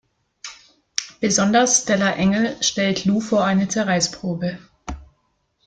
Besonders Stella Engel stellt Lou vor eine Zerreißprobe.